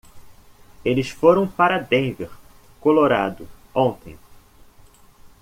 Eles foram para Denver, Colorado ontem.